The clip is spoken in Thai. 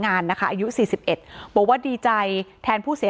อ๋อเจ้าสีสุข่าวของสิ้นพอได้ด้วย